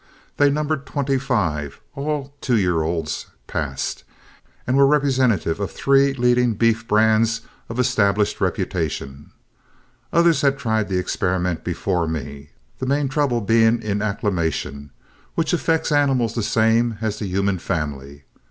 They numbered twenty five, all two year olds past, and were representative of three leading beef brands of established reputation. Others had tried the experiment before me, the main trouble being in acclimation, which affects animals the same as the human family.